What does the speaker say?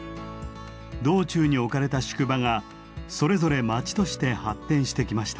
道中に置かれた宿場がそれぞれ町として発展してきました。